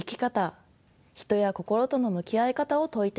「人や心との向き合い方」を説いています。